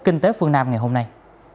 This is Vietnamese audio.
kinh tế phương nam ngày hôm nay